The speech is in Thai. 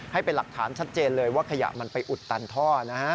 ให้เป็นหลักฐานชัดเจนเลยว่าขยะมันไปอุดตันท่อนะฮะ